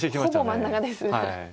ほぼ真ん中です。